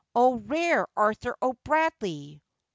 O! rare Arthur O'Bradley!